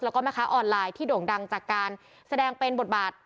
แล้วก็แม่ค้าออนไลน์ที่โด่งดังจากการแสดงเป็นบทบาท